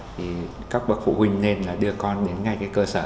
thì các bậc phụ huynh nên đưa con đến ngay cơ sở